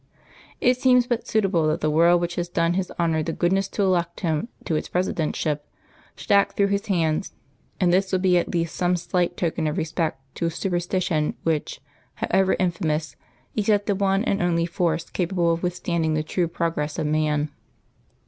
It seems but suitable that the world which has done His Honour the goodness to elect Him to its Presidentship should act through His hands; and this would be at least some slight token of respect to a superstition which, however infamous, is yet the one and only force capable of withstanding the true progress of man.